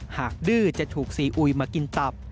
ดื้อจะถูกซีอุยมากินตับ